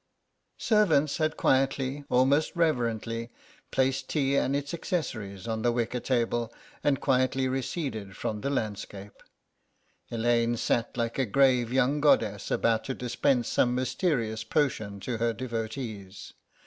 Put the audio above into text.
Servants had quietly, almost reverently, placed tea and its accessories on the wicker table, and quietly receded from the landscape. Elaine sat like a grave young goddess about to dispense some mysterious potion to her devotees.